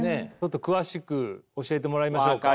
詳しく教えてもらいましょうか。